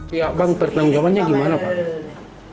pihak bank pertanggung jawabannya gimana pak